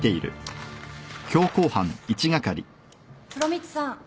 ・風呂光さん